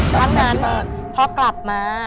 วันนั้นพอกลับมา